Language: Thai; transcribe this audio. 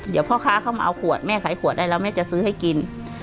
เดี๋ยวพ่อค้าเข้ามาเอาขวดแม่ขายขวดได้แล้วแม่จะซื้อให้กิน